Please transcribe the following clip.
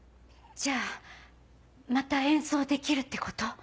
じゃあまた演奏できるってこと？